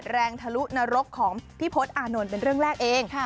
ทะลุนรกของพี่พศอานนท์เป็นเรื่องแรกเอง